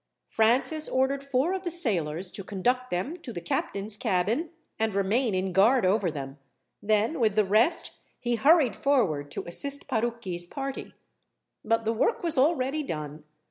Francis ordered four of the sailors to conduct them to the captain's cabin, and remain in guard over them; then with the rest he hurried forward to assist Parucchi's party. But the work was already done.